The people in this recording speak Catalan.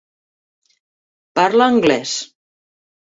Parla anglès.